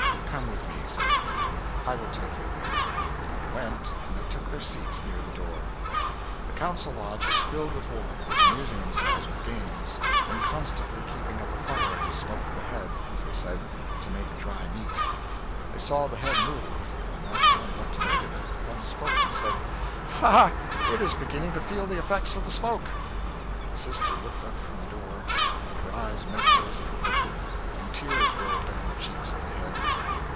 'Come with me,' said the Indian, 'I will take you there.' They went, and they took their seats near the door. The council lodge was filled with warriors, amusing themselves with games, and constantly keeping up a fire to smoke the head, as they said, to make dry meat. They saw the head move, and not knowing what to make of it, one spoke and said: 'Ha! ha! It is beginning to feel the effects of the smoke.' The sister looked up from the door, and her eyes met those of her brother, and tears rolled down the cheeks of the head.